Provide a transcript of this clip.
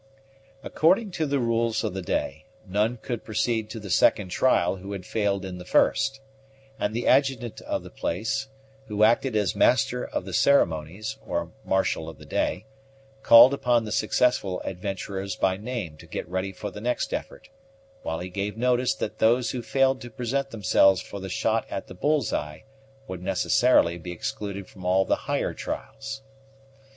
According to the rules of the day, none could proceed to the second trial who had failed in the first, and the adjutant of the place, who acted as master of the ceremonies, or marshal of the day, called upon the successful adventurers by name to get ready for the next effort, while he gave notice that those who failed to present themselves for the shot at the bull's eye would necessarily be excluded from all the higher trials.